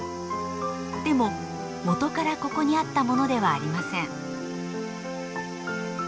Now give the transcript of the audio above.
でも元からここにあったものではありません。